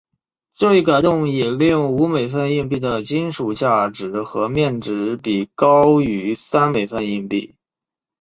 这一改动也令五美分硬币的金属价值和面值比高于三美分硬币。